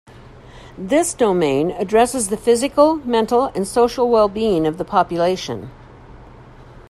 This domain addresses the physical, mental, and social wellbeing of the population.